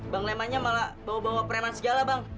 bang lemanya malah bawa bawa preman segala bang